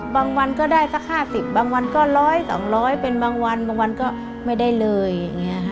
วันก็ได้สัก๕๐บางวันก็๑๐๐๒๐๐เป็นบางวันบางวันก็ไม่ได้เลยอย่างนี้ค่ะ